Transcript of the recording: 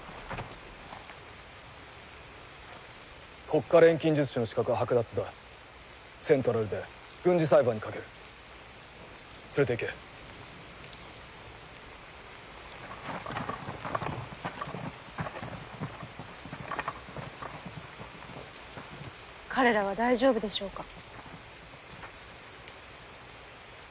国家錬金術師の資格は剥奪だセントラルで軍事裁判にかける連れていけ彼らは大丈夫でしょうか？